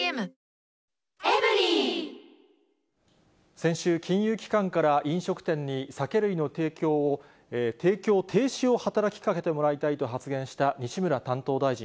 先週、金融機関から飲食店に、酒類の提供停止を働きかけてもらいたいと発言した西村担当大臣。